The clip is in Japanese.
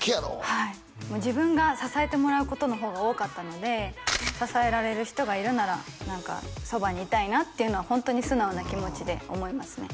はい自分が支えてもらうことの方が多かったので支えられる人がいるならそばにいたいなっていうのはホントに素直な気持ちで思いますね